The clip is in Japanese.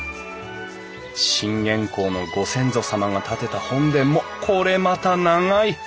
信玄公のご先祖様が建てた本殿もこれまた長い。